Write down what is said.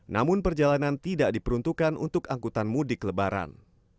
namun perjalanan tidak diperuntukkan untuk angkutan mudik lebaran